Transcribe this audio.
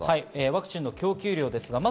ワクチンの供給量です。